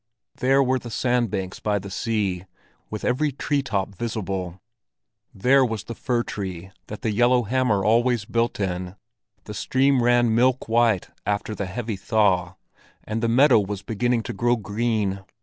There were the sand banks by the sea, with every tree top visible; there was the fir tree that the yellowhammer always built in; the stream ran milk white after the heavy thaw, and the meadow was beginning to grow green.